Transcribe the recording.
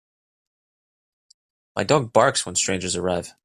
My dog barks when strangers arrive.